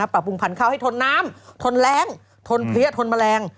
ปรับปรุงพันธุ์ข้าวให้ทนน้ำทนแรงทนเพลี้ยทนแมลง